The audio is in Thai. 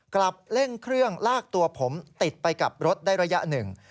กลับเร่งเครื่องลากตัวผมติดไปกับรถได้ระยะหนึ่ง